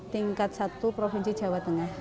tingkat satu provinsi jawa tengah